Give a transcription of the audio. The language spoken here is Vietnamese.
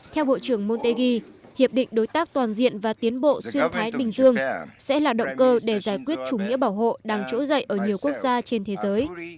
theo bộ trưởng montegi hiệp định đối tác toàn diện và tiến bộ xuyên thái bình dương sẽ là động cơ để giải quyết chủ nghĩa bảo hộ đang trỗi dậy ở nhiều quốc gia trên thế giới